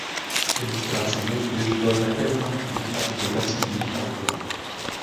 Ilustracemi vyzdobil také mnoho knih a publikací jiných autorů.